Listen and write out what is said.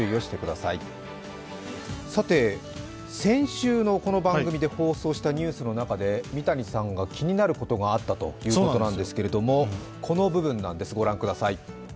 さて、先週のこの番組で放送したニュースの中で三谷さんが気になることがあったということなんですがこの部分なんです、ご覧ください。